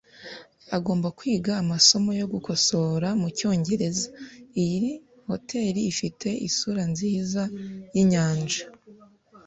Agomba kwiga amasomo yo gukosora mucyongereza. Iyi hoteri ifite isura nziza yinyanja.